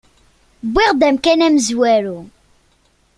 Wwiɣ-d amkan amezwaru.